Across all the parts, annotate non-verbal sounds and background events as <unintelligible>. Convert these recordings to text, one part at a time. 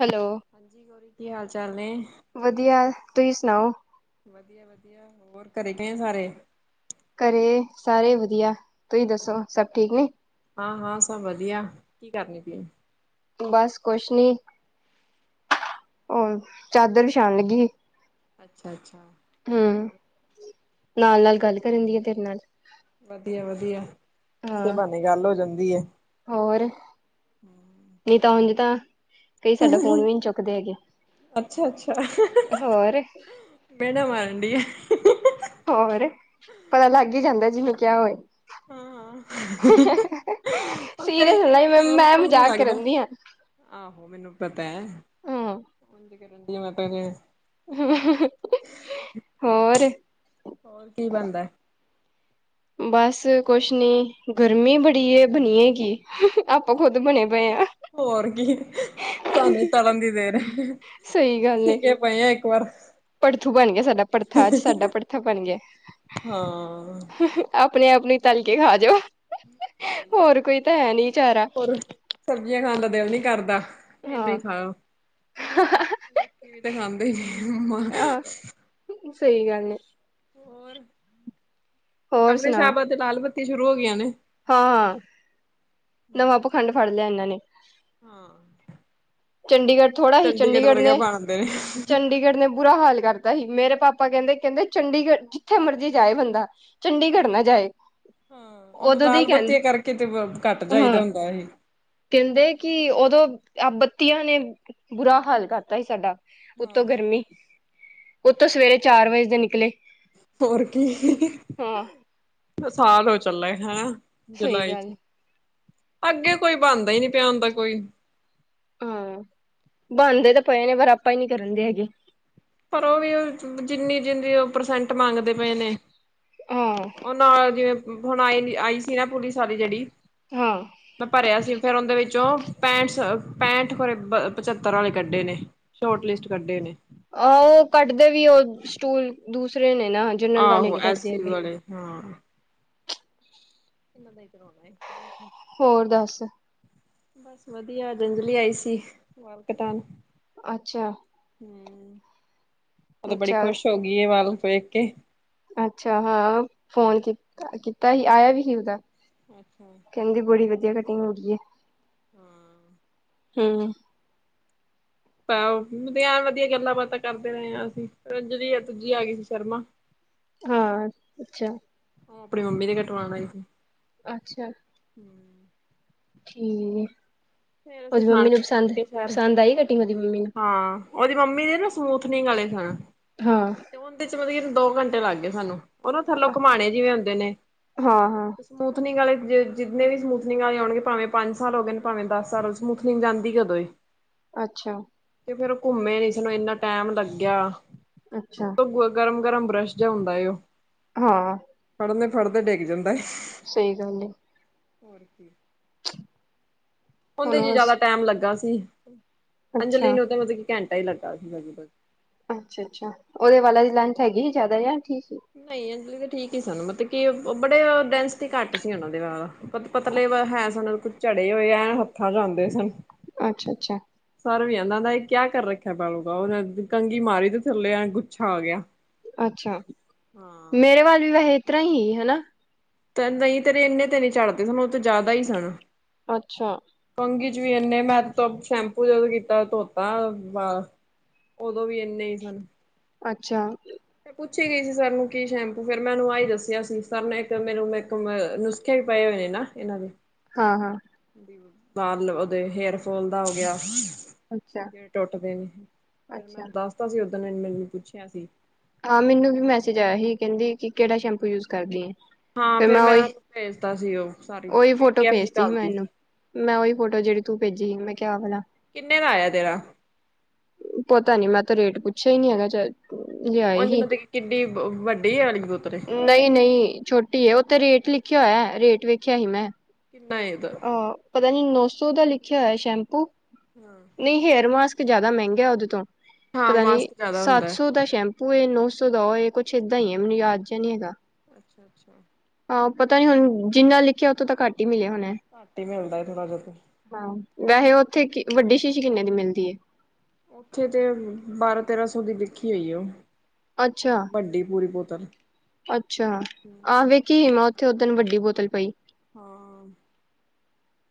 Hello, ਹਾਂਜੀ, ਕੀ ਹਾਲ ਚਾਲ ਨੇ? ਵਧੀਆ ਤੁਸੀਂ ਸੁਣਾਓ? ਵਧੀਆ ਵਧੀਆ ਹੋਰ ਘਰੇ ਕਿਵੇਂ ਸਾਰੇ? ਘਰੇ ਸਾਰੇ ਵਧੀਆ ਤੁਸੀਂ ਦੱਸੋ ਸੱਭ ਠੀਕ ਨੇ। ਹਾਂ ਹਾਂ, ਸਭ ਵਧੀਆ ਕੀ ਕਰਨੀ ਪਈ ਐ। ਬੱਸ ਕੁੱਛ ਨਹੀਂ ਓ ਚਾਦਰ ਵਿਛਾਣ ਲੱਗੀ ਸੀ। ਅੱਛਾ ਅੱਛਾ, ਹੂੰ, ਹੋਰ ਨਾਲ ਨਾਲ ਗੱਲ ਕਰਨ ਦੀ ਆ ਤੇਰੇ ਨਾਲ। ਵਧੀਆ ਵਧੀਆ ਇਸੇ ਹਾਂ ਬਹਾਨੇ ਗੱਲ ਹੋ ਜਾਂਦੀ ਐ। ਹੋਰ ਨਹੀਂ ਤਾਂ ਉਂਜ ਤਾਂ ਕਈ ਸਾਡਾ ਫੋਨ ਵੀ ਨਹੀਂ ਚੁੱਕਦੇ ਹੈਗੇ ਅੱਛਾ ਹੋਰ। ਮੇਨਾ ਮਾਰਨ ਡਈ ਹੋਰ ਪਤਾ ਲੱਗ ਹੀ ਜਾਂਦਾ ਜਿਹਨੂੰ ਕਿਹਾ ਹੋਵੇ। ਹਾਂ ਹਾਂ ਕਈ ਸੀਰੀਅਸ ਨਾ ਲਈ ਕਿਵੇਂ ਮੈਂ ਟਾਈਮ ਮੈਂ ਟੂਮ ਨੀ ਮਜ਼ਾਕ ਲੱਗਦਾ ਕਰਨ ਦੀ ਆ। ਆਹੋ ਮੈਨੂੰ ਪਤਾ ਹਮ ਕਰਨ <unintelligible> ਹੋਰ, ਹੋਰ ਕੀ ਬਣਦਾ? ਬੱਸ ਕੁੱਛ ਨਹੀਂ ਗਰਮੀ ਬੜੀ ਬਣੀਏ ਕੀ। ਆਪਾਂ ਖ਼ੁਦ ਬਣੇ ਪਏ ਆ। ਹੋਰ ਕੀ ਸਾਨੂੰ ਤੜਨ ਦੀ ਦੇਰ ਆ। ਸਹੀ ਗੱਲ ਐ। ਗਏ ਆ ਇੱਕ ਵਾਰ। ਭੜਥੂ ਬਣ ਗਿਆ ਸਾਡਾ ਭੜਥਾ ਅੱਜ ਸਾਡਾ ਭੜਥਾ ਬਣ ਗਿਆ। ਹਾਂ ਆਪਣੀ ਆਪਣੀ ਤਲ ਕੇ ਖਾ ਜੋ। ਸਹੀ ਐ। <unintelligible> ਹੋਰ ਸਬਜ਼ੀਆਂ ਖਾਣ ਦਾ ਦਿਲ ਨੀ ਕਰਦਾ ਐਵੇਂ ਹੀ ਖਾਓ। ਹ ਹਾ, ਹਾ ਲੋਕੀ ਵੀ ਤਾਂ ਖਾਂਦੇ ਹੀ ਨਮਾਂ। ਆਹ ਸਹੀ ਗੱਲ ਏ। ਹੋਰ, ਹੋਰ ਕੱਪੜੇ ਸ਼ਾਬਾ ਤੇ ਲਾਲ ਬੱਤੀ ਸ਼ੁਰੂ ਹੋ ਗਈਆਂ ਨੇ। ਹਾਂ, ਹਾਂ, ਨਵਾਂ ਪਖੰਡ ਫੜ ਲਿਆ ਇਹਨਾਂ ਨੇ। ਹਾਂ। ਚੰਡੀਗੜ੍ਹ ਥੋੜਾ ਸੀ ਚੰਡੀਗੜ੍ਹ ਵਰਗਾ ਨੇ ਬਣਦੇ ਨੇ। ਚੰਡੀਗੜ੍ਹ ਨੇ ਬੁਰਾ ਹਾਲ ਕਰ ਪਤਾ ਹੀ ਮੇਰੇ ਪਾਪਾ ਕਹਿੰਦੇ ਕਹਿੰਦੇ ਚੰਡੀਗੜ੍ਹ ਜਿੱਥੇ ਮਰਜ਼ੀ ਜਾਏ ਬੰਦਾ ਚੰਡੀਗੜ੍ਹ ਹਾਂ ਨਾ ਜਾਏ। ਹਾਂ ਉਹਨੂੰ ਉਦੋਂ ਦੇ ਹੀ ਲਾਲ ਬੱਤੀ ਕਹਿੰਦੇ ਕਰਕੇ ਤੇ ਘੱਟ ਜਾਈਦਾ ਹਾਂ ਹੁੰਦਾ ਸੀ। ਕਹਿੰਦੇ ਕਿ ਉਦੋਂ ਬੱਤੀਆਂ ਨੇ ਬੁਰਾ ਹਾਲ ਕਰਤਾ ਸੀ ਸਾਡਾ ਹਾਂ ਉਤੋਂ ਗਰਮੀ ਉਤੋਂ ਸਵੇਰੇ ਚਾਰ ਵਜੇ ਦੇ ਨਿਕਲੇ। ਹੋਰ ਕੀ ਹਾਂ ਸਾਲ ਹੋ ਚੱਲਾ ਹੈ। ਸਹੀ ਜੁਲਾਈ ਗੱਲ ਅੱਗੇ ਕੋਈ ਬਣਦਾ ਹੀ ਨੀ ਪਿਆ ਹੁਣ ਤਾਂ ਕੋਈ। ਹਾਂ, ਬਣਦੇ ਤਾਂ ਪਏ ਨੇ ਪਰ ਆਪਾਂ ਹੀ ਨੀ ਕਰਨ ਦੇ ਹੈਗੇ। ਪਰ ਓ ਵੀ ਜਿੰਨੀ ਜਿੰਨੀ ਉਹ ਪਰਸੈਂਟ ਮੰਗਦੇ ਪਏ ਨੇ ਆ। ਉਹ ਨਾਲ ਜਿਵੇਂ, ਹੁਣ ਆਏ, ਆਈ ਸੀ ਨਾ ਪੁਲਿਸ ਵਾਲੀ ਜਿਹੜੀ ਹਾਂ ਮੈਂ ਭਰਿਆ ਸੀ, ਫਿਰ ਉਂਹਦੇ ਵਿੱਚੋਂ ਪੈਂਠਸ, ਪੈਂਠ ਖਰੇ ਪਚ੍ਹੱਤਰ ਵਾਲੇ ਕੱਢੇ ਨੇ, ਸ਼ੋਰਟ ਲਿਸਟ ਕੱਢੇ ਨੇ। ਆਹ, ਉਹ ਕੱਢਦੇ ਵੀ ਉਹ ਸਟੂਲ ਦੂਸਰੇ ਨੇ ਨਾ। ਜਨਰਲ ਵਾਲੇ ਆਂਹੋ, ਨੀ ਕੱਢਦੇ ਐਸੀ ਹੈਗੇ ਵਾਲੇ ਹਾਂ। ਕਰਾਂਦੇ, ਕਰਾਉਣਾ ਹੋਰ ਦੱਸ? ਬਸ ਵਧੀਆ। ਅੱਜ ਅਂਜਲੀ ਆਈ ਸੀ, ਵਾਲ ਕਟਾਣ। ਅੱਛਾ। ਹੂੰ, ਓਹ ਤੇ ਬੜੀ ਅੱਛਾ ਖੁਸ਼ ਹੋ ਗਈ ਏ, ਵਾਲ ਵੇਖਕੇ। ਅੱਛਾ, ਹਾਂ ਫੋਨ ਕੀੱਤਾ, ਕੀਤਾ ਹੀ, ਆਇਆ ਵੀ ਸੀ ਉਸਦਾ। ਅੱਛਾ। ਕਹਿੰਦੀ ਬੜੀ ਵਧੀਆ ਕਟਿੰਗ ਹੋ ਗਈ ਏ। ਹਾਂ। ਹੂੰ। ਪ ਉਹ ਐ ਵਧੀਆ ਗੱਲਾਂ-ਬਾਤਾਂ ਕਰਦੇ ਰਹੇ ਹਾਂ ਅਸੀਂ, ਰੱਜੀ-ਪੁੱਜੀ ਆਈ ਸੀ ਸ਼ਰਮਾ। <inaudible> ਹਾਂ, ਅੱਛਾ। ਉਹ, ਆਪਣੀ ਮੰਮੀ ਦੇ ਕਟਵਾਣ ਆਈ। ਅੱਛਾ। ਹਮ। <inaudible> ਠੀਕ ਏ। ਫਿਰ ਅਸੀਂ ਖਾਣ-ਪੀਣ ਤੁਰ ਗਏ ਸ਼ਹਿਰ, ਪਸੰਦ ਆਈ ਕਟਿੰਗ ਉਹਦੀ ਮੰਮੀ ਨੂੰ ਹਾਂ ਉਹਦੀ ਮੰਮੀ ਦੇ ਨਾ ਸਮੂਥਨਿੰਗ ਵਾਲੇ ਸਣ। ਹਾਂ। ਤੇ ਉਹਦੇ'ਚ ਮਤਲਬ ਕਿ ਦੋ-ਘੰਟੇ ਲੱਗ ਗਏ ਸਾਨੂੰ, ਉਹ ਨਾ ਥੱਲੋ ਘੁਮਾਣੇ ਜਿਵੇਂ ਹੂੰਦੇ ਨੇ। ਹਾਂ ਹਾਂ ਸਮੂਥਨਿਂਗ ਵਾਲੇ, ਜਿੰਨੇ ਵੀ ਸਮੂਥਨਿਂਗ ਵਾਲੇ ਆਉਣਗੇ ਭਾਵੇਂ ਪੰਜ-ਸਾਲ ਹੋ ਗਏ ਨੇ, ਭਾਵੇਂ ਦੱਸ ਸਰਲ ਸਮੁਥਨੀਂਗ ਜਾਂਦੀ ਕਦੋਂ ਏ? ਅੱਛਾ। ਤੇ ਫਿਰ ਉਹ ਘੁੰਮੇ, ਈਸਨੂੰ ਇੰਨਾ ਟੈਮ ਲੱਗਿਆ, ਉਤੋਂ ਗਰਮ-ਗਰਮ ਬਰੱਸ਼ ਜਾਂ ਹੁੰਦਾ ਏ, ਉਹ। ਹਾਂ। ਫੜਨੇ, ਫੜਦੇ ਡਿੱਗ ਜਾਂਦਾ। ਸਹੀ ਗੱਲ ਏ। ਹੋਰ ਕੀ। ਹੁਣ ੳਦੇ ਚ ਬਸ ਜਿਆਦਾ ਟਾਈਮ ਲੱਗਾ ਸੀ ਅੱਛਾ ਅੰਜਲੀ ਨੂੰ ਤੇ ਮਤਲਬ ਕਿ ਘੰਟਾ ਹੀ ਲੱਗਾ ਸੀ। ਅੱਛਾ -ਅੱਛਾ ਉਹ ਓਦੇ ਵਾਲਾ ਦੀ ਲੈਂਥ ਹੈਗੀ ਸੀ ਜ਼ਿਆਦਾ ਜਾਂ ਠੀਕ ਹੈ। ਨਹੀਂ ਅਂਜਲੀ ਤਾਂ ਠੀਕ ਹੀ ਸਨ ਮਤਲਬ ਕਿ ਉਹ ਬੜੇ ਡੈਂਸਿਟੀ ਘੱਟ ਸੀ ਉਹਨਾਂ ਦੇ ਨਾਲ। ਪਤ, ਪਤਲੇ ਹੈ ਸਨ ਕੁਝ ਝੜੇ ਹੋਏ, ਐਂ ਹੱਥਾਂ'ਚ ਆਂਦੇ ਸਨ। ਅੱਛਾ-ਅੱਛਾ। ਸਰ ਵੀ ਆਂਦਾ, ਆਂਦਾ ਯੇ ਕਿਆ ਕਰ ਰੱਖਾ ਏ ਬਾਊ-ਬਾਊ ਉਹਨੇ ਕੰਘੀ ਮਾਰੀ ਤੇ, ਥੱਲੇ ਐਂਝ ਗੁੱਛਾ ਆ ਗਿਆ। ਅੱਛਾ, ਹਾਂ ਮੇਰੇ ਵਾਲ ਵੀ ਵੈਹੇ ਇਹ ਤਰ੍ਹਾਂ ਹੀ, ਹਨਾ? ਤੇ ਨਹੀਂ ਤੇਰੇ ਇਹਨੇ ਤੇ ਨਹੀਂ ਝੜ੍ਹਦੇ ਸਨ, ਉਹ ਤਾਂ ਜ਼ਿਆਦਾ ਹੀ ਸਨ। ਅੱਛਾ। ਕੰਘੀ'ਚ ਵੀ ਇਹਨੇ, ਮੈਂ ਸ਼ੈਂਪੂ ਜਦੋਂ ਕੀਤਾ ਧੋਤਾ ਬ ਉਦੋਂ ਵੀ ਇੰਨੇ ਹੀ ਸਨ। ਅੱਛਾ। ਪੁੱਛੀ ਗਈ ਸੀ ਸਰ ਨੂੰ, ਕੀ ਸ਼ੈਂਪੂ ਫਿਰ ਮੈਂਨੂੰ ਆਹੀ ਦੱਸਿਆ ਸੀ। ਸਰ ਨੇ ਇੱਕ ਮੈਨੂੰ ਮੇਖ ਨੁਸ ਹੀ ਪਏ ਹੋਏ ਨਾ ਇਹਨਾਂ ਦੀ। ਹਾਂ-ਹਾਂ। ਪਰਲ ਉਹਦੇ ਹੇਅਰ ਫੋਲ ਦਾ ਹੋ ਗਿਆ। ਅੱਛਾ-ਅੱਛਾ ਹਾਂ ਅੱਛਾ ਜਿਹੜੇ ਟੁੱਟਦੇ ਨੇ ਫਿਰ ਅੱਛਾ, ਮੈਨੂੰ ਦੱਸਦਾ ਸੀ ਓਦਣ ਨੇ ਮੈਨੂੰ ਪੁੱਛਿਆ ਸੀ। ਹਾਂ ਮੈਨੂੰ ਵੀ ਮੈਸੇਜ ਆਇਆ ਸੀ ਕਹਿੰਦੀ ਕਿ ਕਿਹੜਾ ਸ਼ੈਂਪੂ ਯੂਜ ਕਰਦੀ ਆ? ਹਾਂ ਫਿਰ ਮੈਂ ਭੇਜ ਦਿਤਾ ਸੀ ਉਹ ਸਾਰੀ ਉਹੀ-ਉਹੀ ਪੀ ਫੋਟੋ ਡੀ ਐਫ ਜੀ ਭੇਜਤੀ ਮੈਂ ਘਲਤੀ ਸੀ। ਇਹਨੂੰ ਮੈਂ ਉਹੀ ਫੋਟੋ ਜਿਹੜੀ ਤੂੰ ਭੇਜੀ ਮੈਂ ਕਿਹਾ ਆ ਬਣਾ। ਕਿੰਨੇ ਦਾ ਆਇਆ ਤੇਰਾ? ਪਤਾ ਨੀ ਮੈਂ ਤਾਂ ਰੇਟ ਪੁੱਛਿਆ ਹੀ ਨੀ ਹੈਗਾ ਚ। ਉਝ ਮਤਲਬ ਕਿ ਕਿੱਡੀ ਵ ਵੱਡੀ ਆਲੀ ਬੋਤਲ ਏ। ਨਹੀਂ -ਨਹੀਂ ਛੋਟੀ ਹੈ ਉਤੇ ਰੇਟ ਲਿਖਿਆ ਹੋਇਆ ਰੇਟ ਵੇਖਿਆ ਹੀ ਮੈਂ। ਨਹੀਂ ਤਾਂ। ਅਹ ਪਤਾ ਨੀ ਨੌ ਸੌ ਦਾ ਲਿਖਿਆ ਹੋਇਆ ਸ਼ੈਂਪੂ। ਹਮ ਨਹੀਂ ਹੇਅਰ ਮਾਸਕ ਜਿਆਦਾ ਮਹਿੰਗਾ ਉਹਦੇ ਤੋਂ ਹਾਂ ਪਤਾ ਨੀ ਮਾਸਕ ਜ਼ਿਆਦਾ ਸੱਤ ਹੁੰਦਾ ਸੌ ਦਾ ਸ਼ੈਂ ਉਹ ਇਹ ਨੌ ਸੌ ਦਾ ਇਹ ਕੁਛ ਏਦਾਂ ਹੀ ਹੈ ਮੈਨੂੰ ਯਾਦ ਜਿਹਾ ਨੀ ਹੈਗਾ। ਅੱਛਾ -ਅੱਛਾ। ਹਾਂ ਪਤਾ ਨੀ ਹੁਣ ਜਿੰਨਾ ਲਿਖਿਆ ਉਹ ਤੋਂ ਤਾਂ ਘੱਟ ਹੀ ਮਿਲਿਆ ਹੋਣਾ। ਘੱਟ ਹੀ ਮਿਲਦਾ ਥੋੜ੍ਹਾ ਬਹੁਤਾ। ਹਾਂ ਵੈਸੇ ਉੱਥੇ ਵੱਡੀ ਸ਼ੀਸ਼ੀ ਕਿੰਨੇ ਦੀ ਮਿਲਦੀ ਏ? ਉੱਥੇ ਤੇ ਬਾਰਾਂ ਤੇਰਾਂ ਸੌ ਦੀ ਲਿਖੀ ਹੋਈ ਏ ਉਹ ਅੱਛਾ ਵੱਡੀ ਪੂਰੀ ਬੋਤਲ। ਅੱਛਾ ਆਹ ਵੇਖੀ ਹੀ ਮੈ ਉੱਥੇ ਓਦਨ ਵੱਡੀ ਬੋਤਲ ਪਈ। ਹਾਂ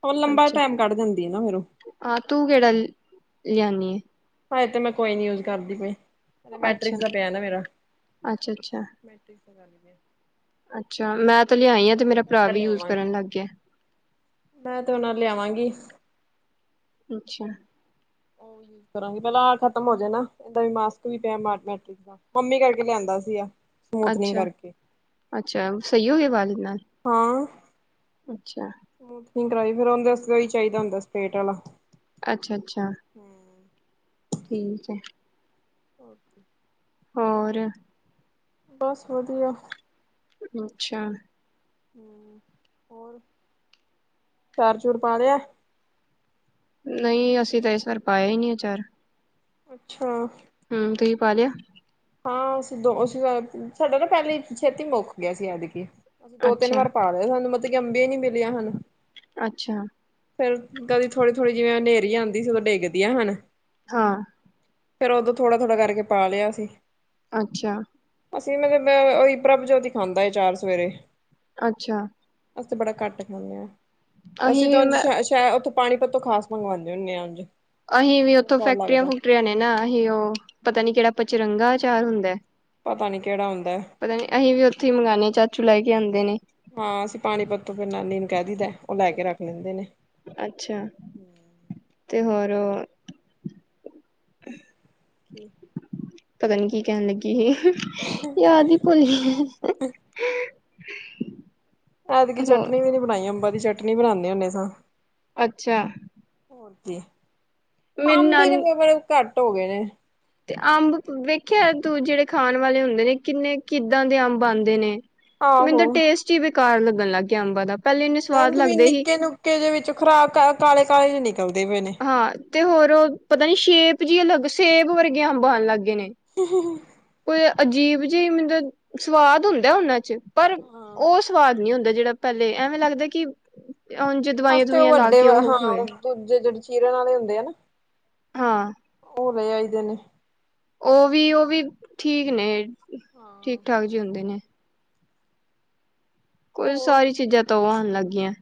ਉਹ ਲੰਬਾ ਅੱਛਾ ਟੈਮ ਕੱਢ ਦੇਂਦੀ ਏ ਨਾ ਫੇਰ। ਹਾਂ ਤੂੰ ਕਿਹੜਾ ਲਿਆਨੀ ਏ। ਹਜੇ ਤੇ ਮੈਂ ਕੋਈ ਨੀ ਯੂਜ ਕਰਦੀ ਪਈ ਹੈ ਅੱਛਾ ਮੈਟ੍ਰਿਕ ਦਾ ਪਿਆ ਨਾ ਮੇਰਾ। ਅੱਛਾ ਅੱਛਾ ਮੈਟ੍ਰਿਕ ਤਾਂ ਕਰ ਲਈਏ। ਅੱਛਾ ਮੈਂ ਤਾਂ ਲਿਆਈ ਆ ਤੇ ਮੇਰਾ ਫਿਰ ਭਰਾ ਮੈਂ ਵੀ ਯੂਜ ਲਿਆਵਾਂਗੀ ਕਰਨ ਲੱਗ ਗਿਆ। ਮੈਂ ਤੇ ਉਹਨਾ ਨੂੰ ਲਿਆਵਾਂਗੀ। ਅੱਛਾ ਕਰਾਂਗੇ ਪਹਿਲਾਂ ਆ ਖਤਮ ਹੋ ਜਾਏ ਨਾ ਇਦਾਂ ਵੀ ਮਾਸਕ ਵੀ ਪਿਆ ਦਾ ਮੰਮੀ ਕਰਕੇ ਲਿਆਂਦਾ ਸੀਗਾ। ਅੱਛਾ -ਅੱਛਾ ਸਹੀ ਹੋ ਗਏ ਵਾਲ ਏਦੇ ਨਾਲ। ਹਾਂ। ਅੱਛਾ ਸਮੂਥਨਿੰਗ ਕਰਵਾਈ ਫਿਰ ਓਹਦੇ ਵਾਸਤੇ ਉਹੀ ਚਾਹੀਦਾ ਹੁੰਦਾ ਸਟਰੇਟ ਵਾਲਾ। ਅੱਛਾ ਅੱਛਾ। ਹੂੰ, ਠੀਕ ਹੈ ਅੱਛਾ ਹੋਰ ਬਸ ਵਧੀਆ ਅੱਛਾ ਹਮ ਹੋਰ ਆਚਾਰ ਆਚੂਰ ਪਾ ਲਿਆ ਨਹੀਂ ਅਸੀਂ ਤਾਂ ਇਸ ਵਾਰ ਪਾਇਆ ਹੀ ਨਹੀਂ ਅਚਾਰ। ਅੱਛਾ। ਹਮ ਤੁਸੀਂ ਪਾ ਲਿਆ। ਹਾਂ ਅਸੀਂ ਦੋ ਸਾਡਾ ਨਾ ਪਹਿਲੀ ਛੇਤੀ ਮੁੱਕ ਗਿਆ ਸੀ ਐਤਕੀ ਦੋ ਤਿੰਨ ਅੱਛਾ ਵਾਰ ਪਾ। ਗਾਏ ਹੁਣ ਤਾਂ ਸਾਨੂੰ ਮਤਲਬ ਅੰਬੀਆ ਹੀ ਨੀ ਮਿਲੀਆਂ ਸਾਨੂੰ। ਅੱਛਾ। ਫੇਰ ਕਦੀ ਥੋੜੀ ਥੋੜ੍ਹੀ ਜਿਵੇਂ ਹਨੇਰੀ ਆਉਂਦੀ ਸੀ ਉਦੋਂ ਡਿੱਗਦੀਆਂ ਹਨ। ਹਾਂ। ਫੇਰ ਉਦੋਂ ਥੋੜਾ ਥੋੜਾ ਕਰਕੇ ਕੇ ਪਾ ਲਿਆ ਸੀ। ਅੱਛਾ ਅਸੀਂ ਮਤਲਬ ਪ੍ਰਭਜੋਤ ਹੀ ਖਾਂਦਾ ਏ ਅਚਾਰ ਸਵੇਰੇ। ਅੱਛਾ ਅਸੀਂ ਤੇ ਬੜਾ ਘੱਟ ਖਾਂਦੇ ਹਾਂ, ਅਸੀਂ ਵੀ ਤਾਂ ਮੈਂ ਉਝ ਉੱਥੋਂ ਪਾਣੀ ਪੱਤੋ ਖਾਸ ਮੰਗਵਾਉਂਦੇ ਹੁੰਦੇ ਆਾਂ ਅਸੀਂ ਵੀ ਉੱਥੋਂ ਫੈਕਟਰੀਆਂ ਫੂਕਟਰੀਆਂ ਨੇ ਨਾ ਅਸੀਂ ਉਹ, ਪਤਾ ਨੀ ਕਿਹੜਾ ਪਚਰੰਗਾ ਆਚਾਰ ਹੁੰਦਾ ਪਤਾ ਨੀ ਕਿਹੜਾ ਹੁੰਦਾ ਪਤਾ ਨੀ ਅਸੀਂ ਵੀ ਉੱਥੇ ਹੀ ਮੰਗਵਾਉਦੇ ਹਾਂ ਚਾਚੂ ਲੈ ਕੇ ਆਉਂਦੇ ਨੇ ਹਾਂ ਅਸੀਂ ਪਾਣੀਪਤ ਫਿਰ ਨਾਨੀ ਨੂੰ ਕਹਿ ਦੇਈਦਾ ਉਹ ਲੈ ਕੇ ਰੱਖ ਲੈਂਦੇ ਨੇ ਅੱਛਾ ਤੇ ਹੋਰ ੀ <unintelligible> ਪਤਾ ਨੀ ਕੀ ਕਹਿਣ ਲੱਗੀ ਸੀ, ਯਾਦ ਹੀ ਕੋਈ ਹੈ ਐਤਕੀ ਚਟਨੀ ਵੀ ਨੀ ਬਣਾਈ, ਅੰਬਾ ਦੀ ਚਟਨੀ ਬਣਾਉਂਦੇ ਹੁੰਦੇ ਸਾਂ ਅੱਛਾ ਹੋਰ ਕਿ ਮੇਰੀ ਅੰਬ ਨਾਨੀ ਵੀ ਬੜੇ ਘੱਟ ਹੋ ਗਏ ਨੇ। ਤੇ ਅੰਬ ਵੇਖਿਆ ਤੂੰ ਜਿਹੜੇ ਖਾਣ ਵਾਲੇ ਹੁੰਦੇ ਨੇ ਕਿੰਨੇ ਕਿੱਦਾਂ ਦੇ ਅੰਬ ਆਉਂਦੇ ਨੇ ਮੈਨੂੰ ਆਹੋ। ਤਾਂ ਟੇਸਟ ਹੀ ਬੇਕਾਰ ਲੱਗਣ ਲੱਗ ਗਿਆ ਅੰਬਾਂ ਦਾ, ਪਹਿਲੇ ਇੰਨੇ ਸਵਾਦ ਲੱਗਦੇ ਸੀ ਤੇ ਇਹਦੇ ਵਿੱਚ ਖ਼ਰਾਬ ਕਾਲੇ -ਕਾਲੇ ਚ ਨਿਕਲਦੇ ਪਏ ਨੇ। ਹਾਂ ਤੇ ਹੋਰ ਪਤਾ ਨੀ ਸ਼ੇਪ ਜਿਹੀ ਅਲਗ ਸੇਬ ਵਰਗੇ ਅੰਬ ਆਉਣ ਲੱਗ ਗਏ ਨੇ ਹ ਹ ਕੋਈ ਅਜੀਬ ਜਿ ਮਤਲਬ ਸਵਾਦ ਹੁੰਦਾ ਉਹਨਾਂ ਚ ਪਰ ਹਾਂ। ਉਹ ਸਵਾਦ ਨਹੀਂ ਹੁੰਦਾ ਜਿਹੜਾ ਪਹਿਲੇ ਐਵੇਂ ਲੱਗਦਾ ਕਿ ਉਜਂ ਦਵਾਈਆਂ ਅਸੀ ਤੇ ਉਹ ਦਵਵਾਈਆਂ ਲਾ ਵੱਡੇ ਕੇ ਉਹ ਹੋਏ ਹਾਂ ਦੂਜੇ ਜਿਹੜੇ ਚੀਰਨ ਵਾਲੇ ਹੁੰਦੇ ਆ ਨਾ ਹਾਂ ਭੋਲੇ ਆਈਦੇ ਨੇ ਉਹ ਵੀ, ਉਹ ਵੀ ਠੀਕ ਨੇ, ਠੀਕ ਹਾਂ। -ਠਾਕ ਜੀ ਹੁੰਦੇ ਨੇ ਕੋਈ ਹੋਰ ਸਾਰੀ ਚੀਜ਼ਾਂ ਤਾਂ ਉਹ ਆਉਣ ਲੱਗ ਗਈਆਂ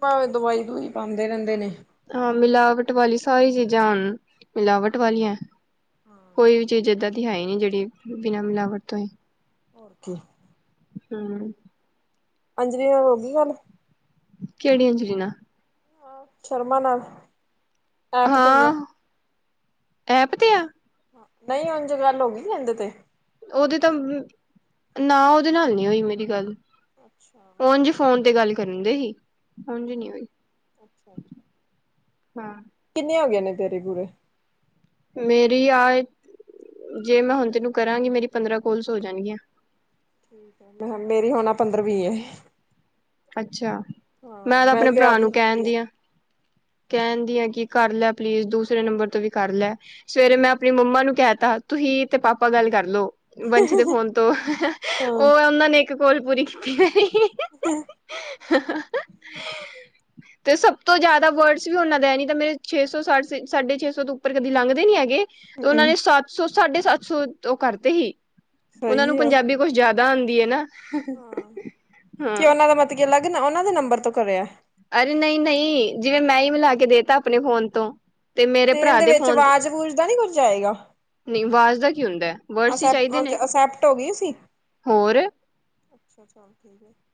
ਭਾਵੇਂ ਦਵਾਈ ਦੂਈ ਪਾਉਂਦੇ ਰਹਿੰਦੇ ਨੇ ਹਾਂ ਮਿਲਾਵਟ ਵਾਲੀ ਸਾਰੀ ਚੀਜ਼ਾਂ ਹੁਣ ਮਿਲਾਵਟ ਵਾਲੀਆਂ ਕੋਈ ਵੀ ਚੀਜ਼ ਏਦਾਂ ਦੀ ਹੈ ਹੀ ਨਹੀ ਜਿਹੜੀ ਬਿਨਾਂ ਮਿਲਾਵਟ ਤੋਂ ਹੀ ਹੋਰ ਕੀ ਹੂੰ, ਅੰਜਲੀ ਨਾਲ ਹੋ ਗਈ ਗੱਲ। ਕਿਹੜੀ ਅੰਜਲੀ ਨਾਲ ਹਾਂ, ਸ਼ਰਮਾ ਨਾਲ। ਐਪ ਤੇ ਹੀ ਆ। ਹਾਂ ਐਪ ਤੇ ਆ। ਨਹੀਂ ਉਂਜ ਗੱਲ ਹੋ ਗਈ ਸੀ ਐਂਡ ਤੇ। ਉਹਦੇ ਤਾਂ ਨਾ ਉਹਦੇ ਨਾਲ ਨਹੀਂ ਹੋਈ ਮੇਰੀ ਗੱਲ ਅੱਛਾ ਉਝ ਫੋਨ ਤੇ ਗੱਲ ਕਰਨ ਦੇ ਸੀ ਸਮਝ ਨੀ ਹੋਈ ਅੱਛਾ ਅੱਛਾ, ਹਾਂ, ਕਿੰਨੇ ਹੋ ਗਏ ਨੇ ਤੇਰੇ ਪੂਰੇ ਮੇਰੀ ਆ ਜੇ ਮੈਂ ਹੁਣ ਤੈਨੂੰ ਕਰਾਂਗੀ, ਮੇਰੀ ਪੰਦਰਾਂ ਕੋਲਸ ਹੋ ਜਾਣਗੀਆਂ। ਠੀਕ, ਮੈਂ ਮੇਰੀ ਹੁਣ ਪੰਦਰਵੀ ਹੈ ਏ ਅੱਛਾ ਮੈਂ ਹਾਂ ਤਾਂ ਆਪਣੇ ਵੀ ਭਰਾ ਆਪ ਨੀ ਨੂੰ ਕੀਤੀ ਕਹਿਣਦੀ ਆ ਕਹਿਣਦੀ ਆ ਕਿ ਕਰ ਲੈ ਪਲੀਜ਼ ਦੂਸਰੇ ਨੰਬਰ ਤੋਂ ਵੀ ਕਰ ਲੈ ਸਵੇਰੇ ਮੈਂ ਆਪਣੀ ਮੰਮਾ ਨੂੰ ਕਹਿ ਤਾ ਤੁਸੀਂ ਤੇ ਪਾਪਾ ਗੱਲ ਕਰਲੋ ਵੰਸ਼ ਦੇ ਫੋਨ ਤੋਂ, ਉਹ ਹਾਂ ਉਹਨਾਂ ਨੇ ਇੱਕ ਕੋਲ ਪੂਰੀ ਕੀਤੀ ਹੈ। ਹ <inaudible> <inaudible> ਤੇ ਸਭ ਤੋਂ ਜ਼ਿਆਦਾ ਵਰਡਸ ਵੀ ਉਹਨਾਂ ਦਾ ਨੀ ਤਾਂ ਮੇਰੇ ਛੇ ਸੌ ਸਾ ਸਾੇ ਛੇ ਸੌ ਤੋਂ ਉੱਪਰ ਕਦੀ ਲੰਘਦੇ ਨੀ ਹੈਗੇ ਉਹਨਾਂ ਨੇ ਹੂੰ ਸੱਤ ਸੌ ਸਾਢੇ ਸੱਤ ਸੌ ਉਹ ਕਰਤੇ ਸੀ ਉਹਨਾਂ ਨੂੰ ਸਹੀ ਹੈ ਪੰਜਾਬੀ ਕੁੱਛ ਜਿਆਦਾ ਹੁੰਦੀ ਹੈ ਨਾ ਹਾਂ, ਹਾਂ ਕਿ ਉਹਨਾਂ ਦਾ ਮਤਲਬ ਅਲੱਗ ਨਾ ਉਹਨਾਂ ਦੇ ਨੰਬਰ ਤੋਂ ਕਰਿਆ ਅਰੇ ਨਹੀਂ ਨਹੀਂ ਜਿਵੇਂ ਮੈਂ ਹੀ ਮਿਲਾ ਕੇ ਦੇ ਤ ਆਪਣੇ ਫੋਨ ਤੋਂ ਮੇਰੇ ਤੇ ਭਰਾ ਏਦੇ ਦੇ ਵਿੱਚ ਫੋਨ ਤੇ ਆਵਾਜ਼ ਵੂਜ ਦਾ ਨੀ ਕੁੱਝ ਆਏਗਾ ਨਹੀਂ, ਆਵਾਜ਼ ਦਾ ਕੀ ਹੁੰਦਾ ਹੈ ਵਰਡਸ ਹੀ ਚਾਹੀਦੇ ਅਸੈਪਟ ਨੇ ਅਸੈਪਟ ਹੋ ਗਈ ਸੀ ਹੋਰ <inaudible>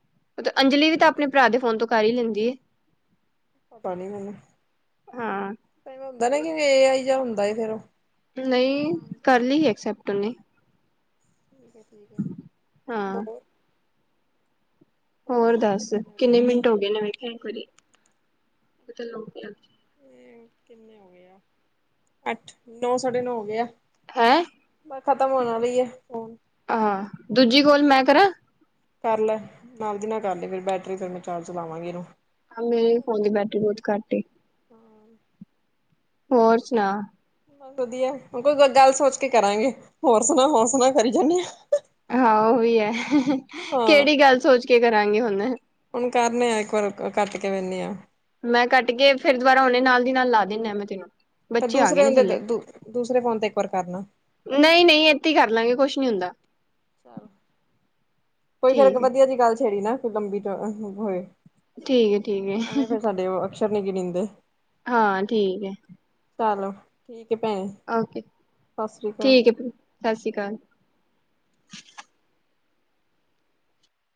ਅੰਜਲੀ ਵੀ ਤਾਂ ਆਪਣੇ ਭਰਾ ਦੇ ਫੋਨ ਤੋਂ ਕਰ ਹੀ ਲੈਂਦੀ। ਪਤਾ ਨੀ ਮੈਨੂੰ ਹਾਂ ਵੇ ਹੁੰਦਾ ਨਾ ਕਿ ਇਹ ਆਈ ਜਾ ਹੁੰਦਾ ਫੇਰ ਉਹ ਨਹੀਂ ਕਰ ਲਈ ਠੀਕ ਐਕਸੈਪਟ ਉਹਨੇ ਠੀਕ ਐ ਹਾਂ, ਹੋਰ ਸੁਣਾ ਦੱਸ ਕੋਈ ਨਵੀਂ ਕਿੰਨੇ ਤਾਜ਼ੀ ਮਿੰਟ ਹੋ ਗਏ ਨੇ ਵੇਖਿਆ ਇੱਕ ਵਾਰੀ ਕਿੰਨੇ ਹੋ ਗਏ ਅੱਠ ਨੌ ਸਾਢੇ ਨੌ ਹੋਗੇ, ਹੈਂ, ਮ ਖ਼ਤਮ ਹੋਣ ਵਾਲੀ ਆ ਫੋਨ। ਆਹੋ ਦੂਜੀ ਕੋਲ ਮੈਂ ਕਰਾਂ ਕਰ ਲੈ ਨਾਲ ਦੀ ਨਾਲ ਕਰ ਲ ਫਿਰ ਬੈਟਰੀ ਫੂੰ ਚਾਰਜ ਲਾਵਾਂਗੇ ਇਹਨੂੰ ਆ ਮੇਰੇ ਫੋਨ ਦੀ ਬੈਟਰੀ ਬਹੁਤ ਘੱਟ ਏ ਹੋਰ ਸੁਣਾ ਬ ਵਧੀਆ ਹੂੰ ਕੋਈ ਗੱਲ ਸੋਚ ਕੇ ਕਰਾਂਗੇ ਹੋਰ ਸੁਣਾ ਹੋਰ ਸੁਣਾ ਕਰੀ ਜਾਂਦੇ ਹਾਂ। ਹਾਂ, ਉਹ ਵੀ ਹੈ ਕਿਹੜੀ ਗੱਲ ਸੋਚ ਕੇ ਕਰਾਂਗੇ ਹੁਣ ਹੁਣ ਕਰਨੇ ਆ ਇੱਕ ਵਾਰ ਕੱਟ ਕੇ ਵਹਿੰਦੇ ਹਾਂ। ਮੈਂ ਕੱਟ ਕੇ ਫੇਿਰ ਦੁਬਾਰਾ ਨੇ ਨਾਲ ਦੀ ਨਾਲ ਲਾ ਦਿੰਦਾ ਮੈਂ ਤੈਨੂੰ ਤਾਂ ਬੱਚੇ ਆ ਗਏ ਦੂਸਰੇ ਨੇ ਹਦੇ ਥੱਲੇ ਦੂਸਰੇ ਫੋਨ ਤੇ ਇੱਕ ਵਾਰ ਕਰਨਾ। ਨਹੀਂ ਨਹੀਂ ਇੱਥੇ ਹੀ ਕਰ ਲਾਂਗੇ ਕੁਛ ਨਹੀਂ ਹੁੰਦਾ। ਚ ਕੋਈ ਫੇਰ ਠੀਕ ਹੈ ਵਧੀਆ ਜਿਹੀ ਗੱਲ ਛੇੜੀ ਨਾ ਕੋਈ ਲੰਬੀ ਹੋਏ। ਠੀਕ ਹੈ ਠੀਕ ਹੈ ਐਵੇਂ ਫਿਰ ਸਾਡੇ ਉਹ ਅਕਸ਼ਰ ਨਹੀਂ ਕੀ ਨੀਂਦੇ। ਹਾਂ, ਠੀਕ ਹੈ। ਚਲੋ ਠੀਕ ਭੈਣ। ਓਕੇ ਠੀਕ ਹੈ ਸਤਿ ਸ਼੍ਰੀ ਅਕਾਲ।